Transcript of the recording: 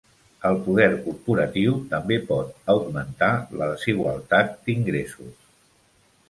El poder corporatiu també pot augmentar la desigualtat d'ingressos.